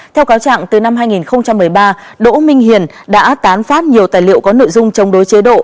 theo cáo trạng từ năm hai nghìn một mươi ba đỗ minh hiền đã tán phát nhiều tài liệu có nội dung chống đối chế độ